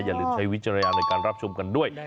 อย่าลืมใช้วิจารณญาณในการรับชมกันด้วย